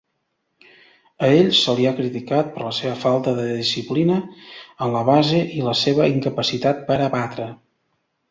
A ell se li ha criticat per la seva falta de disciplina en la base i la seva incapacitat per a batre.